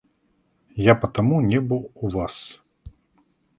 Я потому не был у вас.